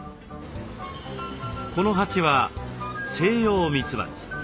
この蜂はセイヨウミツバチ。